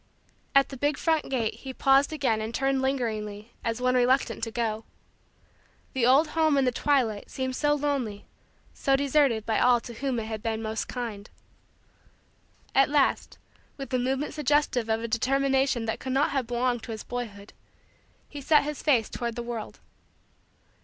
At the big front gate he paused again and turned lingeringly as one reluctant to go. The old home in the twilight seemed so lonely, so deserted by all to whom it had been most kind. At last, with a movement suggestive of a determination that could not have belonged to his boyhood, he set his face toward the world.